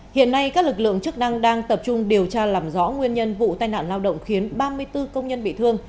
hiện nay các lực lượng chức năng đang tập trung điều tra làm rõ nguyên nhân vụ tai nạn lao động khiến ba mươi bốn công nhân bị thương